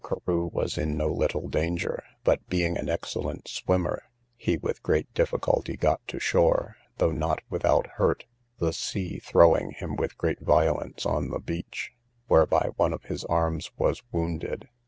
Carew was in no little danger, but, being an excellent swimmer, he with great difficulty got to shore, though not without hurt, the sea throwing him with great violence on the beach, whereby one of his arms was wounded.